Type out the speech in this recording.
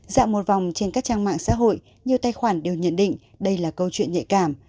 dạo một vòng trên các trang mạng xã hội nhiều tài khoản đều nhận định đây là câu chuyện nhạy cảm